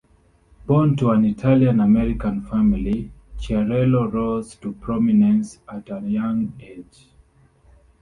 Born to an Italian-American family, Chiarello rose to prominence at a young age.